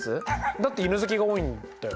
だって犬好きが多いんだよ。